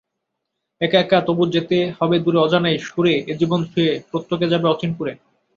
একা একা তবু যেতে হবে দূরে অজানার সুরে—এ জীবন ছুঁয়ে প্রত্যেকে যাবে অচিনপুরে।